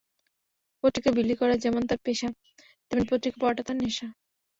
পত্রিকা বিলি করা যেমন তাঁর পেশা, তেমনি পত্রিকা পড়াটা তাঁর নেশা।